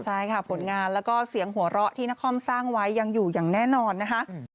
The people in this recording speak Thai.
ใช่ค่ะผลงานแล้วก็เสียงหัวเราะที่นครสร้างไว้ยังอยู่อย่างแน่นอนนะคะ